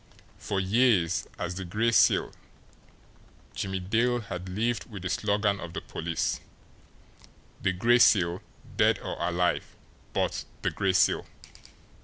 For years, as the Gray Seal, Jimmie Dale had lived with the slogan of the police, "The Gray Seal dead or alive but the Gray Seal!"